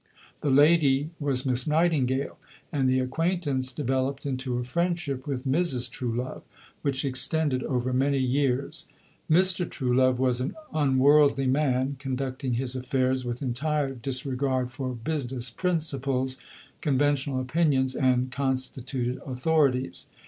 The lady was Miss Nightingale, and the acquaintance developed into a friendship with Mrs. Truelove, which extended over many years. Mr. Truelove was an unworldly man, conducting his affairs with entire disregard for "business principles," conventional opinions, and constituted authorities.